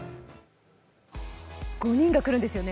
５人が来るんですよね。